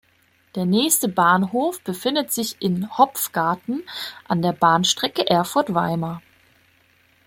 Der nächste Bahnhof befindet sich in Hopfgarten an der Bahnstrecke Erfurt–Weimar.